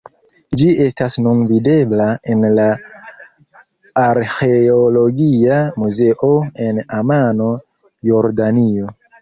Ĝi estas nun videbla en la Arĥeologia Muzeo en Amano, Jordanio.